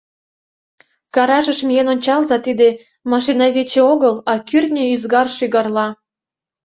Гаражыш миен ончалза, тиде машинавече огыл, а кӱртньӧ ӱзгар шӱгарла.